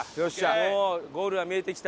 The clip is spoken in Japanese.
もうゴールは見えてきた。